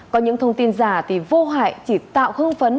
có những thông tin giả thì vô hại chỉ tạo hưng phấn